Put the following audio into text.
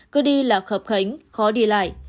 cứ đi là khập khánh khó đi lại